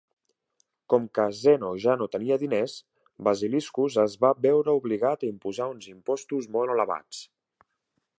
Com que Zeno ja no tenia diners, Basiliscus es va veure obligat a imposar uns impostos molt elevats.